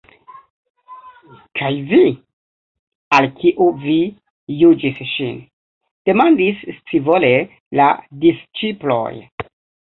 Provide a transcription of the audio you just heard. "Kaj vi? Al kiu vi juĝis ŝin?" demandis scivole la disĉiploj.